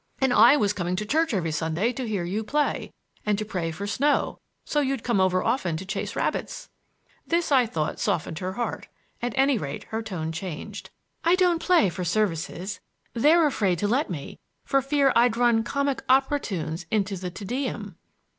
And I was coming to church every Sunday to hear you play and to pray for snow, so you'd come over often to chase rabbits!" This, I thought, softened her heart. At any rate her tone changed. "I don't play for services; they're afraid to let me for fear I'd run comic opera tunes into the Te Deum!"